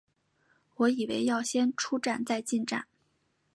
我以为要出站再进站